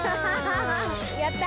やった。